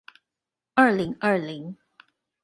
二零二零